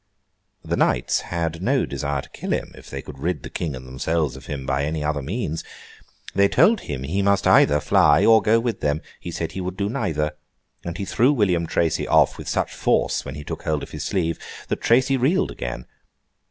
The knights had no desire to kill him, if they could rid the King and themselves of him by any other means. They told him he must either fly or go with them. He said he would do neither; and he threw William Tracy off with such force when he took hold of his sleeve, that Tracy reeled again.